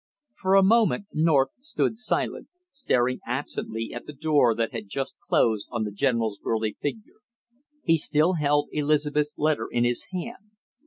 For a moment North stood silent, staring absently at the door that had just closed on the general's burly figure. He still held Elizabeth's letter in his hand.